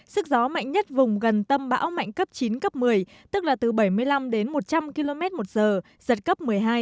sức gió mạnh nhất vùng gần tâm bão mạnh cấp chín cấp một mươi tức là từ bảy mươi năm đến một trăm linh km một giờ giật cấp một mươi hai